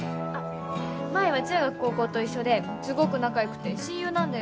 麻依は中学高校と一緒ですごく仲良くて親友なんだよ。